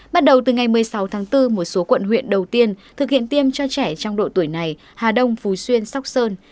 bắt đầu từ ngày một mươi sáu tháng bốn một số quận huyện đầu tiên thực hiện tiêm cho trẻ trong độ tuổi này hà đông phú xuyên sóc sơn